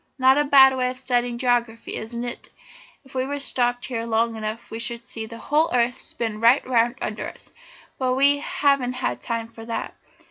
Not a bad way of studying geography, is it? If we stopped here long enough we should see the whole earth spin right round under us, but we haven't time for that.